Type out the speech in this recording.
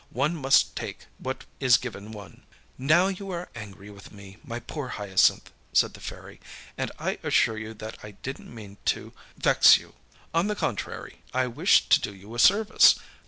One must take what is given one.â âNow you are angry with me, my poor Hyacinth,â said the Fairy, âand I assure you that I didnât mean to vex you; on the contrary, I wished to do you a service.